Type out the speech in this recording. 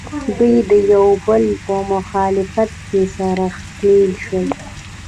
دوی د یو او بل په مخالفت کې سره ښکلیل شول